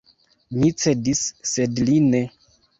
Mi cedis, sed li ne.